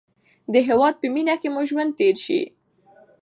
د هېواد په مینه کې مو ژوند تېر شي.